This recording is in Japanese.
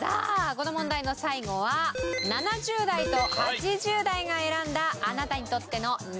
この問題の最後は７０代と８０代が選んだあなたにとってのＮｏ．１